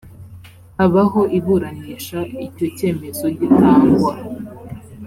habaho iburanisha icyo cyemezo gitangwa